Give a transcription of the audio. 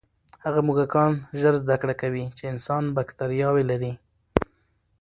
هغه موږکان ژر زده کړه کوي چې انسان بکتریاوې لري.